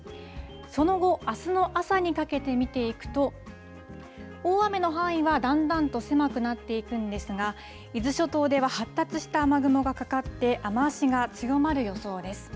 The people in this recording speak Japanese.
その後、あすの朝にかけて見ていくと、大雨の範囲はだんだんと狭くなっていくんですが、伊豆諸島では発達した雨雲がかかって、雨足が強まる予想です。